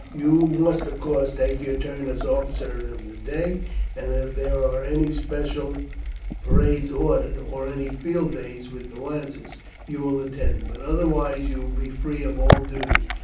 You must, of course, take your turn as officer of the day, and if there are any special parades ordered, or any field days with the Lancers, you will attend, but otherwise you will be free of all duty.